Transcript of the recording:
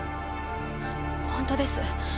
本当です。